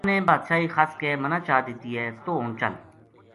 رب نے بادشاہی خس کے منا چا دتی ہے توہ ہن چل